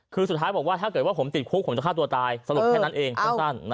คือสุดท้ายบอกว่าถ้าเกิดว่าผมติดคุกผมจะฆ่าตัวตายสรุปแค่นั้นเองสั้น